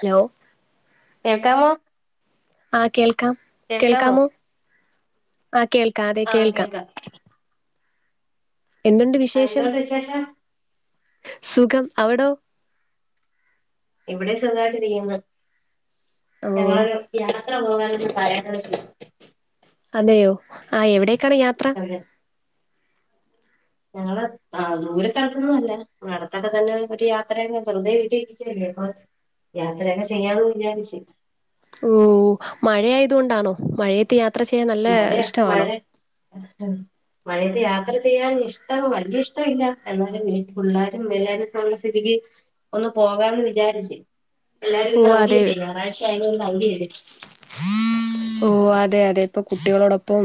Hello കേക്കാവോ ആ കേൾക്കാം കേൾക്കാമോ ആ കേൾക്കാം അതെ കേൾക്കാം എന്തുണ്ട് ആഹ് വിശേഷം എന്തുണ്ട് വിശേഷം സുഖം അവിടോ ഇവിടെ സ്വഖമായിട്ട് ഇരിക്കുന്നു ഓ ഞങ്ങളരു യാത്ര പോകാന പറയ അതെയോ ആ എവിടേക്കാണ് യാത്ര അതെ ഞങ്ങള അ ആ ദൂര സ്ഥലത്തൊന്നും അല്ല അ അടത്തൊക്കെ തന്നെ ഒരു യാത്രയെ വെറുതെ ഇരിക്കല്ലോ അപ്പ യാത്രയൊക്കെ ചെയ്യാമന്ന് വിചാരിച്ച ഓ മഴയത കൊണ്ടാണോ മഴയേത്ത് യാത്ര ചെയ്യാൻ നല്ല ഇഷ്ടമാണോ ഉം മഴയത്ത് യാത്ര ചെയ്യാൻ ഇഷ്ടം വലിയ ഇഷ്ടമില്ല എന്നാലും പിള്ളാരും എല്ലാരും ഉള്ള സ്ഥിതിക്ക് ഒന്ന് പോകാമന്ന് വിചാരിച്ചേ എല്ലാരും ഇന്ന ഓ അതെ അവധിയല്ലേ ഞറാഴ്ച ആയത് കൊണ്ട് അവധിയല്ലേ ഹം ഓ അതെ അതെ ഇപ്പ കുട്ടികളോടൊപ്പം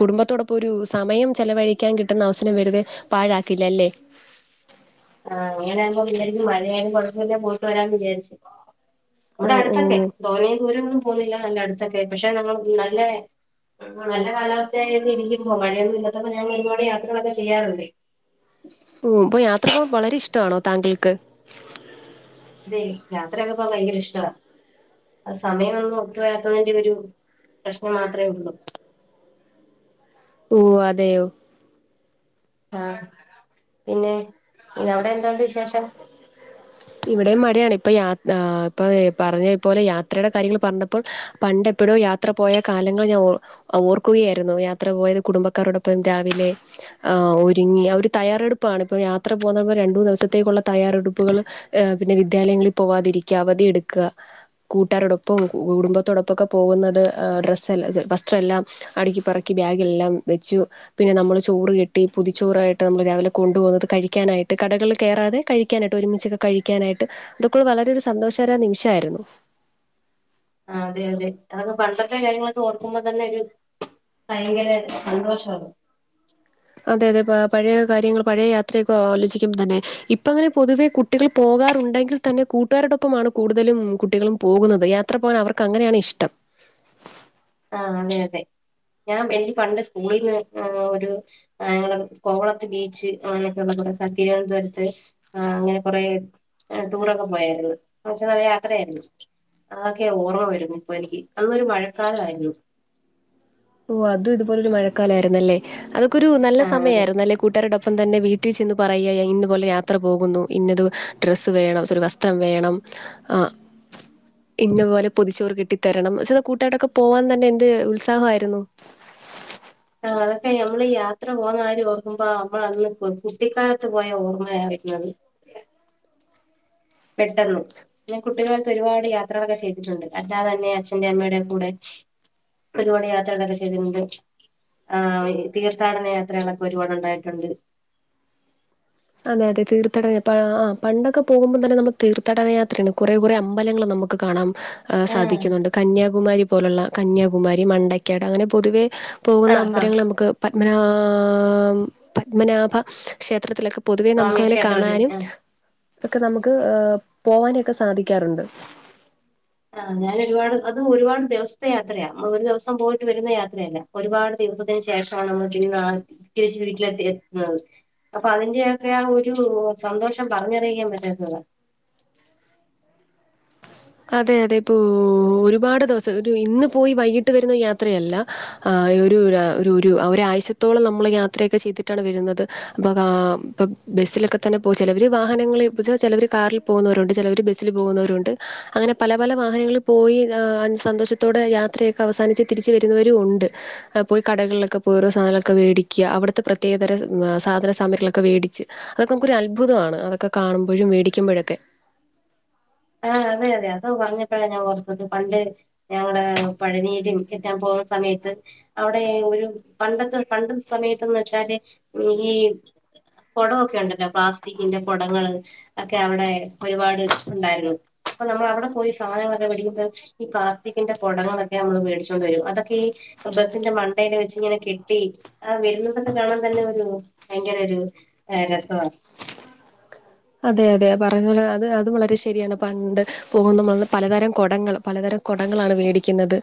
കുടുംബത്തോടൊപ്പം ഒരു സമയം ചെലവഴിക്ക വിക്കാൻ കിട്ടുന്ന അവസരം വെുത പാഴാക്കില്ലല്ലേ ആഹ് അങ്ങനെകുമ്പോ വിചാരിക്കും മഴയുമ്പോ കുഴപ്പമില്ല പോയിട്ട് വരാന്ന് വിചാരിച്ചു ഓ ഇവിടെ ഓ അടുത്തൊക്കെ ധോന ദൂര ഒന്നും പോവുന്നില്ല നല്ല അടുത്തൊക്കെ പക്ഷെ നമ്മൾ നല്ല ആ നല്ല കാലാവസ്ഥയായി ഇരിക്കുമ്പോ മഴയൊന്നും ഇല്ലാത്തപ്പോ ഞങ്ങൾ ഇവടെ യാത്രകളൊക്കെ ചെയ്യാറുണ്ട് ഉ ഉംഇപ്പൊ യാത്ര പോകാൻ വളരെ ഇഷ്ടമാണോ താങ്കൾക്ക് അതെ യാത്രയൊക്കെപോകൻഭയങ്കര ഇഷ്ട സമയമ ഒന്ന് ഒത്ത് വരാത്തതിന്റെ ഒരു പ്രശ്നം മാത്രമേ ഉള്ളു ഓ അതെയോ ആഹ പിന്നെ ഇനി അവിടെ എന്തണ്ട് വിശേഷം ഇവിടെ മഴയാണ് ഇപ്പ യാ ഇപ്പ പറഞ്ഞ പോലെ യാത്രയുടെ കാര്യങ്ങൾ പറഞ്ഞപ്പോൾ പണ്ട് എപ്പോഴോയാത്ര യാത്ര പോയ കാലങ്ങൾ ഞാൻ ഓർക്കുകയായിരുന്നു യാത്ര പോയത് കുടുംബക്കാരോടൊപ്പം രാവിലെ ആ ഒരുങ്ങി അവര് തയ്യാറെടുപ്പാണ് ഇപ്പൊ യാത്ര പോക രണ്ട മൂന്ന് ദിവസത്തേക്കുള്ള തയ്യാറെടുപ്പുകൾ പിന്നെ വിദ്യാലയങ്ങളിൽ പോവാതിരിക്കുക അവധിയ എടുക്കുക കൂട്ടാരോടൊപ്പം കുടുംബത്തോടൊപ്പംക്കെ പോകുന്നത് ഡ്രസ്സ്ല്ല വസ്ത്രം എല്ലാം അടുക്കിപ്പറക്കി ബാഗെല്ലാം വെച്ചു പിന്നെ നമ്മള് ചോറ് കെട്ടി പൊതിച്ചോറായിട്ട് നമ്മള് രാവിലെ കൊണ്ടു പോകന്നുന്നത് കഴിക്കാനായിട്ട് കടയിൽ കയറാതെ കഴ ക്കാനായിട്ട് ഒരുമിച്ചൊക്കെ കഴിക്കാനായിട്ട് അതൊക്കെ വളരെ സന്തോഷകരമായ നിമിഷമായിരുന്നു ആ അതെ അതെ അതൊക്കെ പണ്ടത്തെ കാര്യങ്ങളൊക്കെ ഓർക്കുമ്പോ തന്നെ ഒരു ഭയങ്കര സന്തോഷ അതെ അതെ പഴയ കാര്യങ്ങൾ പഴയ യാത്രയൊക്കെ ആലോചിക്ക്പ തന്നെ ഇപ്പ അങ്ങനെ പൊതുവെ കുട്ടികൾ പോകാറുണ്ടെങ്കിൽ തന്നെ കൂട്ടുകാരോടൊപ്പമാണ് കൂടുതലും കുട്ടികളും പോകുന്നത് യാത്ര പോകാൻ അവർക്ക് അങ്ങനെയാണ് ഇഷ്ടം ആ അതെ അതെ ഞാൻ എന്റെ പണ്ട് സ്കൂളിൽ നിന്ന് ഒരു ഞങ്ങള കോവളത്ത് ബീച്ച് അങ്ങനെയൊക്കെ ഉള്ളടെ തിരുവനന്തപുരത്ത് ആഹ അങ്ങനെ കൊറെ ടൂറൊക്കെ പോയായിരുന്നു കുറച്ച നല്ല യാത്രയായിരുന്നു അതൊക്കെ ഓർമ്മ വരുന്നു ഇപ്പൊ എനിക്ക് അന്നൊരു മഴക്കാലമായിരുന്നു ഓ അതും ഇതുപോലെ ഒരു മഴക്കാലമായിരുന്നുല്ലേ അതൊക്കൊരു നല്ല ആഹ് അതെ സമയായിരുന്നു അല്ലെ കൂട്ടാരോടൊപ്പം തന്നെ വീട്ടിൽ ചെന്ന് പറയുക ഇന്നപോലെ യാത്ര പോകുന്നു ഇന്നത് ഡ്രസ്സ് വേണം ഒരു വസ് ത്രം വേണം ആ ഇന്ന പോലെ പൊതിച്ചോറ് കെട്ടിത്തരണം ച്ച്കൂട്ടാ രോട്ക്കെ പോവാൻ തന്നെ എന്ത് ഉത്സാഹമായിരുന്നു ആ അതൊക്കെ നമ്മൾ യാത്ര പോകുന്ന കാര്യം ഓർക്കുമ്പോ നമ്മള അന്ന് കുട്ടിക്കാലത്ത് പോയ ഓർമ്മയാവുന്നത് പെട്ടെന്ന് ഞൻ കുട്ടികൾക്ക് ഒരുപാട് യാത്രകൊക്കെ ചെയ്തിട്ടുണ്ട് അല്ലാതെ തന്നെ അച്ഛൻ്റെ അമ്മയുടെ കൂടെ ഒരുപാട് യാത്രകതൊക്കെ ചെയ്തിട്ടുണ്ട് ആ് തീർത്ഥാടന യാത്രകളൊക്കെ ഒരുപാട് ഉണ്ടായിട്ടുണ്ട് അതെ അതെ തീർത്ഥടന ആ പണ്ടൊക്കെ പോകുമ്പോൾ തന്നെ നമുക്ക് തീർത്ഥടനയാത്രയാണ് കുറേ കുറെേ അമ്പലങ്ങൾ നമുക്ക് കാണാം ആഹ് സാധിക്കുന്നുണ്ട് കന്യാകുമാരി പോലുള്ള കന്യാകുമാരി മണ്ടക്കാട് അങ്ങനെ പൊതുവെ പോകുന്ന ആഹ് അമ്പലങ്ങള് നമുക്ക് പത്മനാഭ പത്മനാഭ ക്ഷേത്രത്തിലൊക്കെ പൊതുവെ സ്വാമി നമുക്കങ്ങനെ ക്ഷേത്രത്തില് കാണാനും ആഹ് അതൊക്കെ നമുക്ക് പോവാനുംക്കെ സാധിക്കാറുണ്ട് ആഹ് ഞാനൊരുപാട് അത് ഒരുപാട് ദിവസത്തെ യാത്രയാ മ്മ ഒരു ദിവസം പോയിട്ട് വരുന്ന യാത്രയല്ല ഒരുപാട് ദിവസത്തിന് ശേഷമാണ് നമ്മ നാ തിരിച്ച് വീട്ടിലെത്തി എത്തുന്നത് അപ്പൊ അതിൻ്റൊക്കെയാ ഒരു സന്തോഷം പറഞ്ഞറിയിക്കാൻ പറ്റാത്തതാ അതെ അതെ ഇപ്പോ ഒരുപാട് ദിവസം ഒരു ഇന്ന് പോയി വൈകിട്ട് വരുന്ന യാത്രയല്ല ആഹ് ഒരു ഒരു ഒരു ഒരു ഒരാഴ്ശത്തോളം നമ്മൾ യാത്രയൊക്കെ ചെയ്തിട്ടാണ് വരുന്നത് അപ്പം കാ അപ്പം ബസ്സിലൊക്കെ തന്നെ പോയി ചെലവര് വാഹനങ്ങൾ ഇപ്പോച്ചാ ചെലവര് കാറിൽ പോകുന്നവരുണ്ട് ചെലവര് ബസ്സിൽ പോകുന്നവരുണ്ട് അങ്ങനെ പല പല വാഹനങ്ങളിൽ പോയി സന്തോഷത്തോടെ യാത്രയൊക്കെ അവസാനിച്ച് തിരിച്ചു വരുന്നവരും ഉണ്ട് പോയി കടളിലൊക്കെ പോയി ഓരോ സാധനങ്ങളൊക്കെ വേടിക്കുക അവിടുത്തെ പ്രത്യേകതര സാധന സാമഗ്രികളൊക്കെ വേടിച്ച് അതൊക്കെ നമുക്കൊരു അത്ഭുതമാണ് അതൊക്കെ കാണുമ്പോഴും വേടിക്കുമ്പഴൊക്കെ ആഹ് അതെ അതെ അതു പറഞ്ഞപ്പോഴ ഞാൻ ഓർത്തത് പണ്ട് ഞങ്ങള് പഴനീലും എത്താൻ പോകുന്ന സമയത്ത് അവിടെ ഒരു പണ്ടത്തെ പണ്ടത്തെ സമയത്തന്ന്വെച്ചാല് ഈ കൊടമൊക്കെ ഉണ്ടല്ലോ പ്ലാസ്റ്റിക്കിന്റെ കൊടങ്ങള് ഒക്കെ അവിടെ ഒരുപാട് ഉണ്ടായിരുന്നു അപ്പൊ നമ്മൾ അവിടെ പോയി സാധനങ്ങളൊക്കെ വേടിക്കുമ്പോ ഈ പ്ലാസ്റ്റിക്കിന്റെ കൊടങ്ങളൊക്കെ നമ്മള് മേടിച്ചോണ്ടുവരും അതൊക്കെ ഈ ബസ്സിന്റെ മണ്ടേല് വെച്ചിങ്ങനെ കെട്ടി ആ വരുന്നതൊക്കെ കാണാൻ തന്നെ ഒരു ഭയങ്കര ഒരു രസവാ അതെ അതെ പറഞ്ഞ പോലെ അത് അത് വളരെ ശരിയാണ് പണ്ട് പോകുന്നു [unintelligible] പലതരം കൊടങ്ങളും പലതരം കൊടങ്ങളാണ് വേടിക്കുന്നത്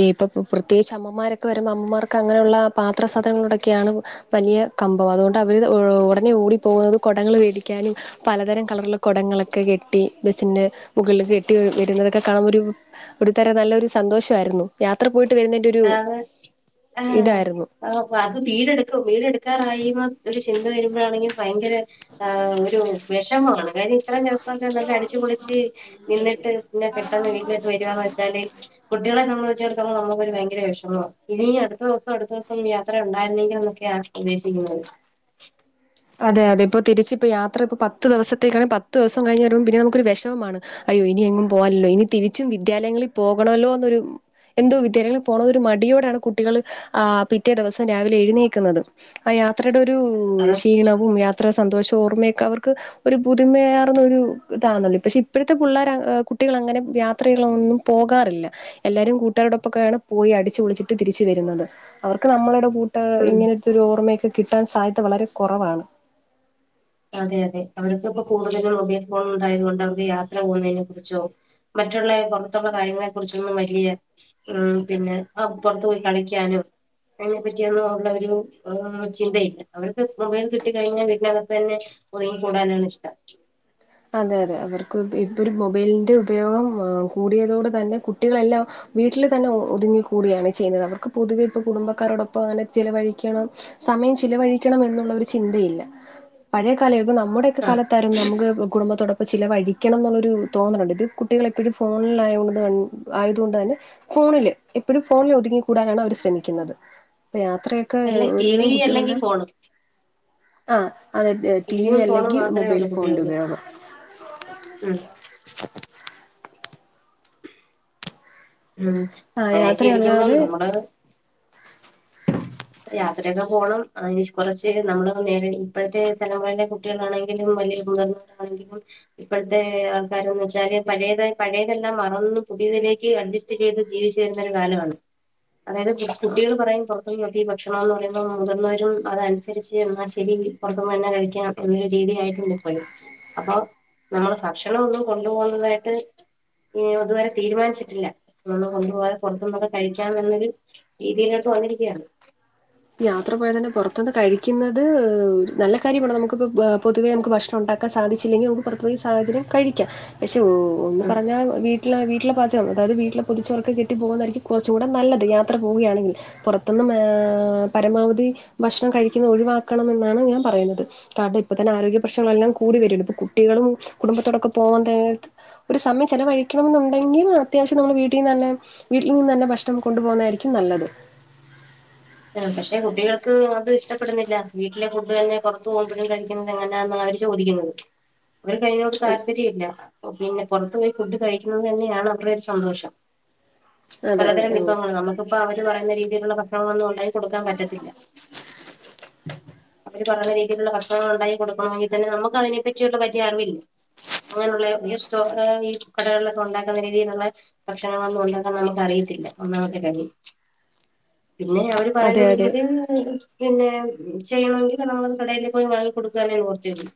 ഇപ്പൊ പ്രത്യേകിച്ച് അമ്മമാരൊക്കെ വരുമ്പോ അമ്മമാർക്ക് അങ്ങനെയുള്ള പാത്രസാധനങ്ങളോടൊക്കെയാണ് വലിയ കമ്പം അതുകൊണ്ട് അവര് ഒടനെ ഓടി പോകുന്നത് കുടങ്ങള് വേടിക്കാനും പലതരം കളറുള്ള കൊടങ്ങളൊക്കെ കെട്ടി ബസിന്റെ മുകളില് കെട്ടി വരുന്നതൊക്കെ കാണുമ്പോ ഒരു ഒരു തരം നല്ലൊരു സന്തോഷായിരുന്നു യാത്ര പോയിട്ട് വരുന്ന ആണ് ആഹ് ആഹ് അത് വീടെടുക്കും വീടെടുക്കാറായീമ ഒരു ചിന്ത വരുമ്പോഴാണെങ്കി ഭയങ്കര ആഹ് ഒരു വെഷമമാണ് കാര്യം ഇത്രയും ദിവ സം നല്ല അടിച്ചുപൊളിച്ച് നിന്നിട്ട് പിന്നെ പെട്ടെന്ന് വീട്ടിലേക്ക് വരുകാന്ന് വെച്ചാല് കുട്ടികളെ സംബന്ധിച്ചിടത്തോളം നമുക്ക് ഒരു ഭയ ങ്കര വെഷമവാ ഇനീം അടുത്ത ദിവസം അടുത്ത ദിവസം യാത്ര ഒണ്ടാരുന്നെങ്കി എന്നൊക്കെയാ ഉദ്ദേശിക്കുന്നത് അതെ അതെ ഇപ്പോ തിരിച്ചിപ്പോ യാത്ര ഇപ്പ പത്ത് ദിവസത്തേക്കാണെങ്കി പത്ത് ദിവസം കഴിഞ്ഞ് വരുമ്പോ പിന്നെ നമുക്കൊരു വെഷമമാണ് അയ്യോ ഇനി എങ്ങും പോവാന്ല്ലല്ലോ ഇനി തിരിച്ചും വിദ്യാലയങ്ങളിൽ പോകണല്ലോന്നൊരു എന്തോ വിദ്യാലയങ്ങളിൽ പോണത് ഒരു മടിയോടാണ് കുട്ടികൾ ആ പിറ്റേ ദിവസം രാവിലെ എഴുന്നേക്കുന്നത് ആ യാത്രയുടെ ഒരു അത് ക്ഷീണവും യാത്രാ സന്തോഷവും ഓർമ്മയൊക്കെ അവർക്ക് ഒരു പുതുമയാർന്ന ഒരു ഇതാന്നല്ലോ പക്ഷെ ഇപ്പോഴത്തെ പുള്ളാർ കുട്ടികൾ അങ്ങനെ യാത്രകളൊന്നും പോകാറില്ല എല്ലാരും കൂട്ടുകാരോടൊപ്പൊക്കെയാണ് പോയി അടിച്ചു പൊളിച്ചിട്ട് തിരിച്ചു വരുന്നത് അവർക്ക് നമ്മളുടെ കൂട്ട് ഉം ഇങ്ങനെടുത്തൊരു ഓർമ്മയൊക്കെ കിട്ടാൻ സാധ്യത വളരെ കുറവാണ് അതെ അതെ അവര്ക്ക്പ്പോ കൂടുതലും മൊബൈൽ ഫോൺ ഉണ്ടായത് കൊണ്ട് അവര് യാത്ര പോകുന്നതിനെ കുറിച്ചോ മറ്റുള്ള പുറത്തുള്ള കാര്യങ്ങളെ കുറിച്ചൊന്നും വലിയ ഉം പിന്നെ ആ പുറത്ത് പോയി കളിക്കാനും അതിനെപ്പറ്റിയൊന്നും ഒള്ള ഒരു ചിന്തയില്ല അവർക്ക് മൊബൈൽ കിട്ടിക്കഴിഞ്ഞാൽ വീട്ടിന തന്നെ ഒതുങ്ങി കൂടാനാണിഷ്ടം അതെ അതെ അവർക്ക് ഇപ്പ ഒരു മൊബൈലിന്റെ ഉപയോഗം കൂടിയതോടെ തന്നെ കുട്ടികളെല്ലാം വീട്ടില് തന്നെ ഒതുങ്ങികൂടിയാണ് ചെയ്യുന്നത് അവർക്ക് പൊതുവെ ഇപ്പ കുടുംബക്കാരോടൊപ്പം അങ്ങനെ ചെലവഴിക്കണം സമയം ചിലവഴിക്കണം എന്നുള്ള ഒരു ചിന്തയില്ല പഴയ കാലം ഇപ്പൊ നമ്മുടെയൊക്കെ ആ കാലത്തായിരുന്നു നമുക്ക് കുടുംബത്തോടൊപ്പം ചിലവഴിക്കണം ന്നുള്ളൊരു തോന്നലുണ്ട് ഇത് കുട്ടികളെപ്പഴും ഫോണിലായോണ്ട് ആയത് കൊണ്ട് തന്നെ ഫോണില് എപ്പോഴും ഫോണില് ഒതുങ്ങിക്കൂടാനാണ് അവർ ശ്രമിക്കുന്നത് യാത്രയ ക്കെ അല്ല ടി ഒരുവിധം വി അല്ലെങ്കിൽ കുട്ടികളെല്ലാം ഫോണ് ആഹ് അതെ ടി വി ടിവിയും ഫോണും അല്ലെങ്കി മാത്രമേ മൊബൈൽ ഉള്ളൂ ഫോണിൻ്റെ കുട്ടികൾക്ക് ഉപയോഗം ഉം ഉം ആ അങ്ങനെയൊക്കെ ഇരിക്കുമ്പം യാത്രയല്ലാതെ നമ്മള് യാത്രയൊക്കെ പോകണം അയ് കൊറച്ച് നമ്മള് നേരിൽ ഇപ്പഴത്തെ തലമുറയിലെ കുട്ടികളാണെങ്കിലും വലിയ മുതീർന്ന ആണങ്കി കൂടി ഇപ്പഴത്തെ ആൾക്കാര് ന്ന് വെച്ചാല് പഴയത് പഴയതെല്ലാം മറന്ന് പുതിയതിലേക്ക് അഡ്ജസ് റ്റ് ചെയ്ത് ജീവിച്ചിരുന്ന ഒരു കാലമാണ് അതായത് കുട്ടികള് പറയും പുറ്ത്ത്ന്ന് ഈ ഭക്ഷണം എന്ന് പറയുമ്പോ മുതിർന്നവരും അതനുസരിച്ച് എന്നാ ശരി പുറത്തുന്ന് തന്നെ കഴിക്കാം എന്നൊര് രീതിയായിട്ടുണ്ട് ഇപ്പഴ് അപ്പ നമ്മള് ഭക്ഷണം ഒന്നും കൊണ്ട് പോകുന്നതായിട്ട് ഈ ഇതുവരെ തീരുമാനിച്ചിട്ടില്ല വട്ന്ന് കൊണ്ട് പോയാ പുറത്തന്ന് ഒക്കെ കഴിക്കാന്ന് ള്ള ഒരു രീതിയിലേക്ക് വന്നിരിക്ക്യാണ് യാത്ര പോയ തന്നെ പുറത്തന്ന് നിന്ന് കഴിക്കുന്നത് നല്ല കാര്യമാണ് നമുക്കിപ്പോ പൊതുവെ നമുക്ക് ഭക്ഷണം ഉണ്ടാക്ക ഒക്കെ സാധിച്ചില്ലെങ്കിൽ നമുക്ക്പുറത്ത് പോയി സാഹചര്യം കഴിക്കാം പക്ഷേ ഒന്ന് ഉം പറഞ്ഞാൽ വീ ട്ട് ലെ വീട്ടിലെ പാചക അതായത് വീട്ടിലെ പൊതിച്ചോറ് ഒക്കെ കെട്ടിപോകുന്ന തായിരിക്കും കൊറച്ച് കൂടെ നല്ലത് യാത്ര പൊവുകയാണങ്കി പുറത്തന്ന് ഏ പരമാവധി ഭക്ഷണം കഴിക്കുന്നത് ഒഴിവാക്കണം എന്നാണ് ഞാൻ പറയുന്നത് [unintelligible] ഇപ്പ തന്നെ ആരോഗ്യ പ്രശ്നങ്ങളെല്ലാം കൂടി വര്ണ്ട് കുട്ടികളും കുടുംബത്തോടൊക്കെ പോവാ തെയ്യാറട്ത് ഒരു സമയം ചെലവഴിക്കണം ന്നുണ്ടെങ്കിൽ അത്യാവശ്യം നമ്മടെ വീട്ടീന്ന് തന്നെ വീട്ടിൽ നിന്ന്തന്നെ ഭക്ഷണം കൊണ്ട് പോകുന്നതായിരിക്കും നല്ലത് പക്ഷെ കുട്ടികൾക്ക് അത് ഇഷ്ടപ്പെടുന്നില്ല വീട്ടിലെ ഫുഡ് തന്നെ പുറത്ത് പോകുമ്പോഴും കഴി ക്കുന്ന എങ്ങനാന്ന് അവര് ചോദിക്കുന്നത് അവരക്ക് അയിനോട് താല്പര്യം ഇല്ല പിന്നെ പൊറത്ത് പോയി ഫുഡ് കഴിക്കണ്ണം തന്നെയാണ് അവരുടെ ഒരു സന്തോഷം അതെ പലതരം അതെ ഓ വിഭവ ങ്ങൾനമുക്കിപ്പ അവര് പറയുന്ന രീതിയിലുള്ള ഭക്ഷണങ്ങ ളൊന്നും ഇണ്ടാക്കികൊടുക്കാൻ പറ്റത്തില്ല അവര് പറയുന്ന രീതിയിലുള്ള ഭക്ഷണള് ഉണ്ടാക്കി കൊടുക്കണ മെങ്കിതന്നെ നമ്മക്ക് അതിനെപ്പറ്റിയുള്ള വല്യ അറിവില്ല അങ്ങനെയുള്ള ഈഷ്ട്ട ഈ കടകളിലൊക്കെ ഉണ്ടാക്കുന്ന രീതിയിലുള്ള ഭക്ഷണങ്ങളൊന്നും ഉണ്ടാക്കാൻ നമ്മക്ക് അറിയത്തില്ല ഒന്നാമത്തെ കാര്യം പിന്നെ അവര് പറയുന്ന അതെ അതെ രീതിക്ക് [unintelligible] പിന്നെ ചെയ്യണമെങ്കിൽ നമ്മള് കടയിൽ പോയി വാങ്ങി കൊടുക്കാനെ നിവർത്തി ഒള്ളു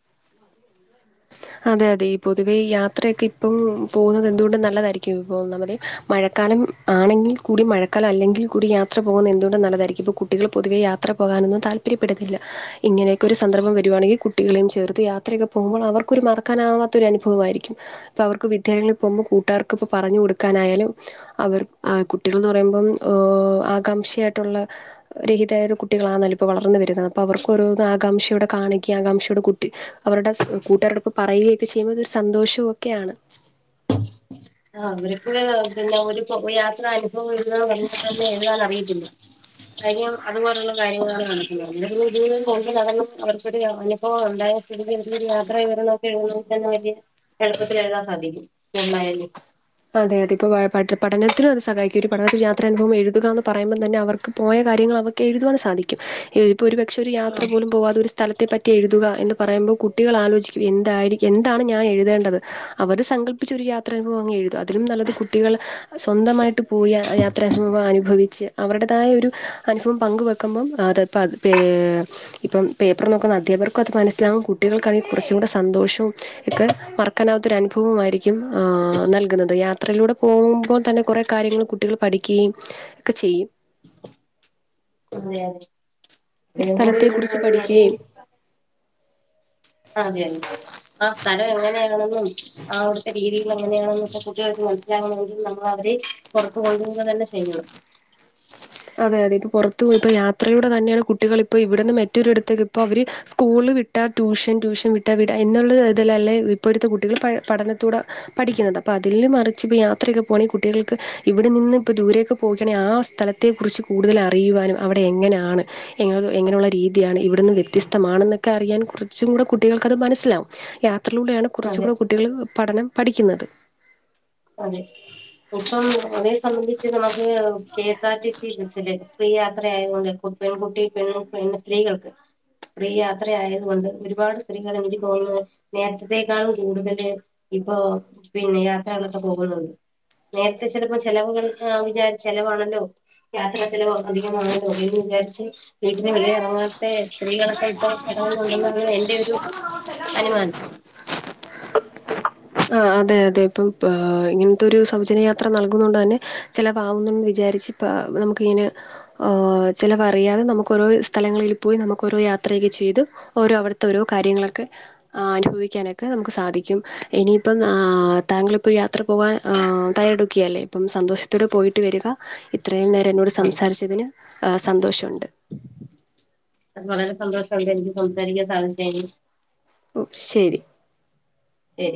അതെ അതെ ഈ പൊതുവെ യാത്രയൊക്കെ ഇപ്പം പോകുന്നത് എന്ത് കൊണ്ടും നല്ലതായിരിക്കും ഒന്നാമത് മഴക്കാലം ആണെങ്കിൽ കൂടി മഴക്കാലം അല്ലെങ്കിൽ കൂടി യാത്ര പോകുന്നത് എന്ത് കൊണ്ടും നല്ലതായിരിക്കും ഇത് കുട്ടികൾ പൊതുവെ യാത്ര പോകാൻ ഒന്നും താല്പ ര്യ പെടുന്നില്ല ഇങ്ങനെയൊക്കെ ഒരു സന്ദർഭം വരുവാണെങ്കി കുട്ടികളെയും ചേർത്ത് യാത്രയൊക്കെ പോകുപ്പോ അവർ ക്ക് ഒരു മറക്കാനാവാത്ത അനുഭവമായിരിക്കും അപ്പൊ അവർക്ക് വിദ്യാലയങ്ങളിൽ പോകുമ്പോ കൂട്ടുകാർക്ക് ഒക്കെ പറഞ്ഞു കൊടുക്കാനായാലും അവർ കുട്ടികൾ എന്ന് പറയുമ്പം ആകാംക്ഷയായിട്ടുള്ള രഹിതായ ഒരു കുട്ടികള് ആണ് അല്ലോ ഇപ്പൊ വളർന്നു വരുന്നത് അപ്പൊ അവർക്ക് ഓരോന്ന് ആകാംക്ഷോടെ കാണിക്ക ആകാംക്ഷയോട് കുട്ടി അവരുടെ കൂട്ടുകാരോട് ഒക്കെ പറയുകയൊക്കെ ചെയ്യുമ്പോ അതൊരു സന്തോഷവും ഒക്കെയാണ് ആഹ് അവർക്ക് പിന്നെ ഒരു യാത്ര അനുഭവം എഴുതാൻ പറഞ്ഞ തന്നെ എഴുതാൻ അറിയത്തില്ല തയ്യം അതുപോലെയുള്ള കാര്യങ്ങളാണ് നടക്കുന്നത് നിലവിൽ ഇത് കൊണ്ട് നടന്ന് അവർക്ക്‌ ഒരു അനുഭവം ഒണ്ടായാ ഇടക്ക് ഇടക്ക് ഒര് യാത്ര ഇവരെ നോക്കി എഴുതാൻ [unintelligible] എളുപ്പത്തിൽ എഴുതാൻ സാധിക്കും എന്നായാലും അതെ അതെ ഇപ്പ പഠനത്തിലും അത് സഹായിക്കും ഒരു പഠനത്തിന് യാത്ര അനുഭവം എഴുതുക എന്ന് പറയുമ്പോ തന്നെ അവർ പോയ കാര്യങ്ങൾ അവക്ക് എഴുതുവാൻ സാധിക്കും ഇപ്പോ ഒരു പക്ഷെ ഒരു യാത്ര അതെ പോലും പോകാതെ ഒരു സ്ഥല ത്തെ പറ്റി എഴുതുക എന്ന് പറയുമ്പം കുട്ടികള് ആലോചിക്കും എന്തായിരിക്കും എന്താണ് ഞാൻ എഴുതേണ്ടത് അവര് സങ്കല്പ്പിച്ച ഒരു യാത്ര അനുഭവം അങ്എഴു തു അതിലും നല്ലത് കുട്ടികൾ സ്വന്തമായിട്ട് പോയി യാത്രനുഭവം അനുഭവിച്ച് അവരുടേതായ ഒരു അനുഭവം പങ്ക് വെക്കുമ്പം അത്പ്പ പേ ഇപ്പം പേപ്പർ നോക്കുന്ന അധ്യാപർക്കും അത് മനസ്സിലാവും കുട്ടികൾക്കാണെങ്കി കുറച്ചും ടെ സന്തോഷവും ഒക്കെ മറ കാനാവത്തൊരു അനുഭവമായിരിക്കും നൽകുന്നത് അത് യാത്രയിലൂടെ പോകുമ്പോൾ തന്നെ കുറെ കാര്യങ്ങൾ കുട്ടികൾ പഠിക്കുകയും ഒക്കെ ചെയ്യും. അതെ ഒരു സ്ഥലത്തെക്കുറിച്ച് പഠിക്കുകയും [unintelligible] അതെ അതെ ആ സ്ഥലം എങ്ങനെയാണെന്നും ആവിടുത്തെ രീതി... എങ്ങനെയാണെന്നൊക്കെ കുട്ടികൾക്ക് മനസ്സിലാവണെങ്കിൽ നമ്മൾ അവരെ പുറത്ത് കൊണ്ട് പോവുക തന്നെ ചെയ്യണം അതെ അതെ ഇപ്പൊ പുറത്ത പോ ഇപ്പോ യാത്രയിലൂടെ തന്നെയാണ് കുട്ടികൾ ഇപ്പ ഇവിടുന്ന് മറ്റൊരിടത്തേക്ക് ഇപ്പൊ അവര് സ്കൂള് വിട്ടു വിട്ടാ ട്യൂഷൻ ട്യൂഷൻ വിട്ടാ വിട് എന്നുള്ളത് ഇതിലല്ലേ ഇപ്പോഴത്തെ കുട്ടികൾ പ പഠനത്തോടെ പഠിക്കുന്നത്. അപ്പൊ അതില് മറിച്ച് ഇപ്പ യാത്രയൊക്കെ പോകണെങ്കിൽ കുട്ടികൾക്ക് ഇവിടെ നിന്ന് ഇപ്പോൾ ദൂരെ പോവുകയാണെങ്കിൽ ആ സ്ഥലത്ത്. ഇതേ കുറിച്ച് കൂടുതൽ അറിയുവാനും അവിടെ എങ്ങനെയാണ് എങ്ങനെയുള്ള രീതിയാണ് ഇവിടന്ന് വ്യത്യതമാണെന്നൊക്കെ അറിയാൻ കുറച്ചും കൂടെ കുട്ടികൾക്കത് മനസ്സിലാവും. യാത്രയിലൂടെയാണ് കുറച്ച അതെ കൂടെ കുട്ടികൾ പഠനം പഠിക്കുന്നത്. അതെ ഇപ്പം ഒേ സംബന്ധിച്ച് നമുക്ക് കെഎസ് ആർ ടി സി ബസില് ഫ്രീ യാത്ര ആയത് കൊണ്ട് ഇപ്പം പെൺകുട്ടി പെൺ പി സ്ത്രീകൾക്ക് സ്ത്രീ യാത്രയായത്കൊണ്ട് ഒരുപാട് സ്ത്രീകൾ എനിക്ക് തോന്നുന്നത് നേരതെത്തേക്കാളും കൂടുതല് ഇപ്പൊ പിന്നെ യാത്രകളൊക്കെ പോകുന്നുള്ളൂ യാത്ര ചിലപ്പോ ചെലവര് വിചാരിക്കും ചെലവ് ആണ് അല്ലോ യാത്ര ചിലവ അധികമാണ് രോഗിയന്ന് വിചാരിച്ച് വീട്ടിന് വെളി ഇറങ്ങാത്തെ സ്ത്രീകളൊക്കെ ഇപ്പ ടുന്നുണ്ടെന്നാണ് എന്റെ ഒരു അനുമാനം ആ അതെ അതെ ഇപ്പം ഇങ്ങനത്തൊരു സൗജന്യയാത്ര നൽകുന്ന കൊണ്ട് തന്നെ ചിലവാകുന്നു വിചാരിച്ച് ഇപ്പ നമുക്കിങ്ങനെ ചിലവറിയാതെ നമുക്ക് ഓരോ സ്ഥലങ്ങളിൽ പോയി നമുക്ക് ഓരോ യാത്രയൊക്കെ ചെയ്തു ഓരോ അവിടുത്തെ ഓരോ കാര്യങ്ങളൊക്കെ അനുഭവിക്കാനൊക്കെ നമുക്ക് സാധിക്കും. എടി പ്പം താങ്കളിപ്പോൾ യാത്ര പോകാൻ തയാറെടുക്കിയല്ലേ ഇപ്പം സന്തോഷ ത്തൂടെ പോയിട്ട് വരിക ഇത്രയും നേരം എന്നോട് ആ സംസാരിച്ചതിന് ആ സന്തോഷംണ്ട് വളരെ സന്തോഷംണ്ട് എനിക്ക് സംസാരിക്കാൻ സാധിച്ചതിൽ ഓ ശരി ശരി